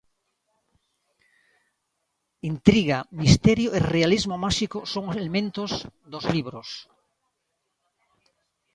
Intriga, misterio e realismo máxico son elementos dos libros.